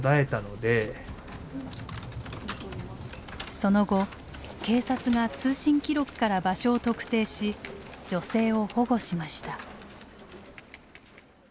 その後警察が通信記録から場所を特定し女性を保護しました。